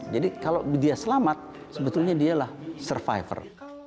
jadi kalau dia selamat sebetulnya dia lah survivor